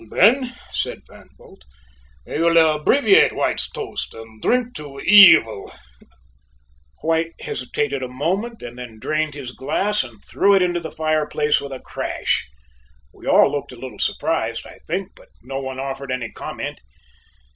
"Then," said Van Bult, "we will abbreviate White's toast, and drink to evil." White hesitated a moment, and then drained his glass, and threw it into the fireplace with a crash. We all looked a little surprised, I think, but no one offered any comment.